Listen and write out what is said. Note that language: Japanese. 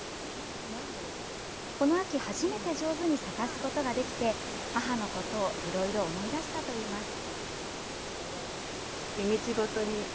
この秋、初めて上手に咲かすことができて、母のことをいろいろ思い出したといいます。